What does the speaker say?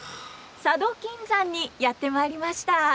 佐渡金山にやって参りました。